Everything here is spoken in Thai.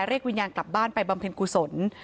เรียกวิญญาณกลับบ้านไปบำเพ็ญกุศล